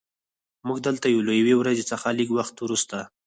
موږ دلته یو له یوې ورځې څخه لږ وخت وروسته